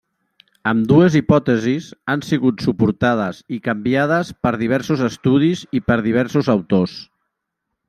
Ambdues hipòtesis han sigut suportades i canviades per diversos estudis i per diversos autors.